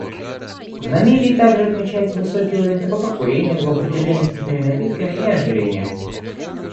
В Намибии также отмечается высокий уровень табакокурения, злоупотребления спиртными напитками и ожирения.